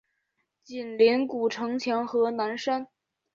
紧邻古城墙和南山。